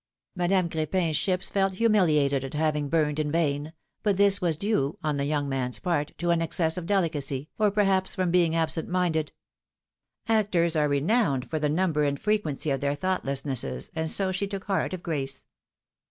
'' Madame Crepin's ships felt humiliated at having burned in vain, but this was due, on the young man's ])art, to an excess of delicacy, or perhaps from being absent minded. philomI:ne's mariiiages. 227 Actors are renowned for the number and frequency of their thoughtlessnesses, and so she took heart of grace.